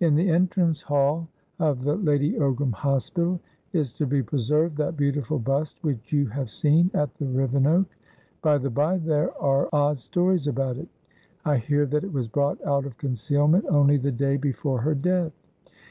In the entrance hall of the Lady Ogram Hospital is to be preserved that beautiful bust which you have seen at the Rivenoak. By the bye, there are odd stories about it. I hear that it was brought out of concealment only the day before her death."